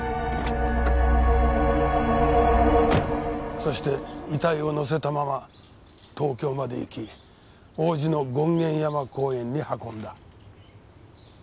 そして遺体を乗せたまま東京まで行き王子の権現山公園に運んだ。